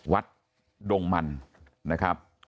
วัดดงมันนะครับ